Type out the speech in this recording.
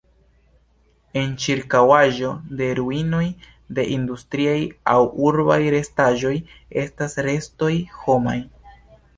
En ĉirkaŭaĵo de ruinoj de industriaj aŭ urbaj restaĵoj estas restoj homaj.